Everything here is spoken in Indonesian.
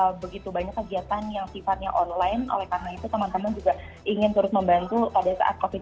dan juga begitu banyak kegiatan yang sifatnya online oleh karena itu teman teman juga ingin terus membantu pada saat covid sembilan belas